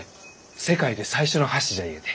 世界で最初の橋じゃゆうて。